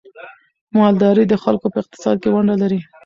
مالداري د خلکو په اقتصاد کې ونډه لري.